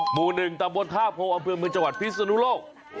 หมู่๑ต่ำบนฮาพงค์อำเภิวมือนจังหวัดพิศนุโลก